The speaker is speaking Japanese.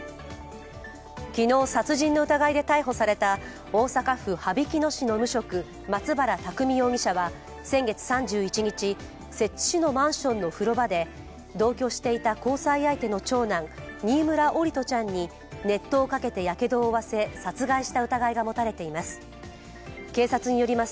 昨日、殺人の疑いで逮捕された大阪府羽曳野市の無職、松原拓海容疑者は先月３１日、摂津市のマンションの風呂場で同居していた交際相手の長男新村桜利斗ちゃんに熱湯をかけてやけどを負わせ殺害した疑いが持たれています。